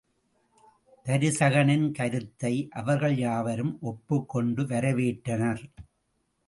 தருசகனின் கருத்தை அவர்கள் யாவரும் ஒப்புக் கொண்டு வரவேற்றனர்.